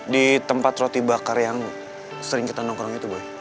di tempat roti bakar yang sering kita nongkrong itu boleh